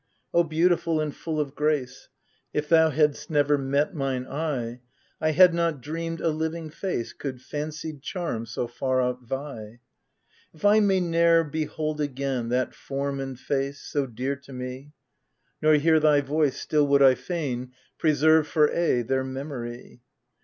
O, beautiful, and full of grace ! If thou hadst never met mine eye, I had not dreamed a living face Could fancied charms so far outvie. If I may ne'er behold again That form and face, so dear to me, Nor hear thy voice, still would I fain Preserve, foT aye, their memory.